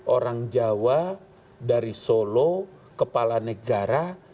orang jawa dari solo kepala negara